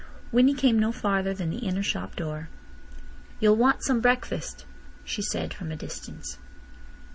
Winnie came no farther than the inner shop door. "You'll want some breakfast," she said from a distance.